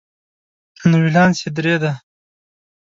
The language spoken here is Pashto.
نو ولانس یې درې دی.